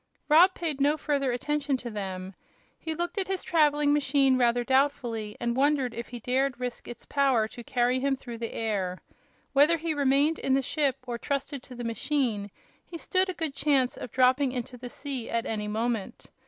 Rob paid no further attention to them. He looked at his traveling machine rather doubtfully and wondered if he dared risk its power to carry him through the air. Whether he remained in the ship or trusted to the machine, he stood a good chance of dropping into the sea at any moment.